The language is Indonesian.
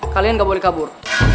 kalian gak boleh kabur